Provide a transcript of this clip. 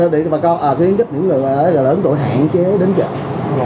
địa chỉ bà con khuyến khích những người lớn tuổi hạn chế đến chợ